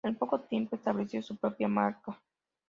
Al poco tiempo estableció su propia marca.